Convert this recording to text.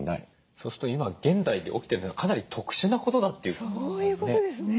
そうすると今現代で起きてるのはかなり特殊なことだっていうことですね。